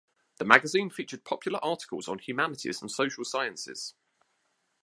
The magazine featured popular articles on humanities and social sciences.